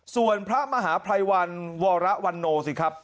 ส่วนพระมหาภัยวันวรวันโนสิครับ